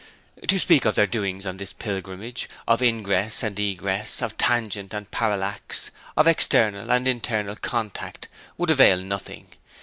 To speak of their doings on this pilgrimage, of ingress and egress, of tangent and parallax, of external and internal contact, would avail nothing.